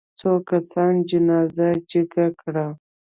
څو کسانو جنازه جګه کړه.